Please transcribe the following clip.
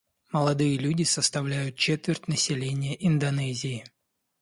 Молодые люди составляют четверть населения Индонезии.